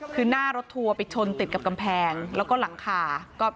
คือหน้ารถทัวร์ไปชนติดกับกำแพงแล้วก็หลังคา